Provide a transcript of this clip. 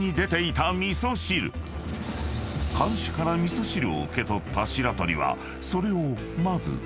［看守から味噌汁を受け取った白鳥は］